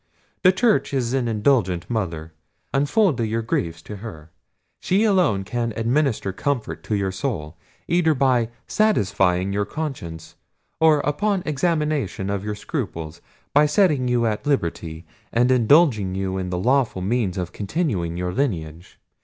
The church is an indulgent mother: unfold your griefs to her: she alone can administer comfort to your soul, either by satisfying your conscience, or upon examination of your scruples, by setting you at liberty, and indulging you in the lawful means of continuing your lineage.